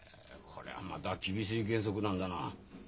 これはまた厳しい原則なんだな。